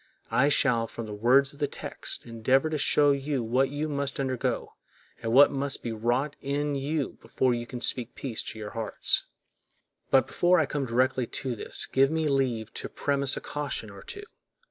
I shall, from the words of the text, endeavor to show you what you must undergo and what must be wrought in you before you can speak peace to your hearts. But before I come directly to this give me leave to premise a caution or two.